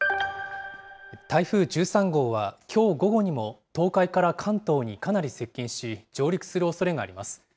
台風１３号は、きょう午後にも東海から関東にかなり接近し、上陸するおそれがあります。